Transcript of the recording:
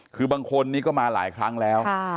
คือบางคนนี้ก็มาหลายครั้งแล้ว